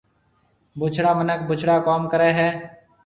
بُڇڙا مِنک بُڇڙا ڪوم ڪريَ هيَ۔